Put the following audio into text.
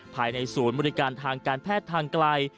ภายในศูนย์บริการทางการแพทย์ทางไกล